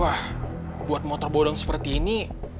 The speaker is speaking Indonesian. wah buat motor bodong seperti ini